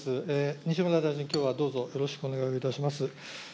西村大臣、きょうはどうぞよろしくお願いをいたします。